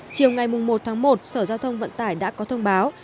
chiều ngày một tháng một sở giao thông vận tải đã có thông báo